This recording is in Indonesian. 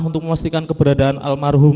untuk memastikan keberadaan almarhum